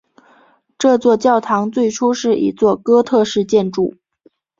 这座教堂最初是一座哥特式建筑。